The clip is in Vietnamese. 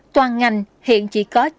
toàn ngành hiện chỉ có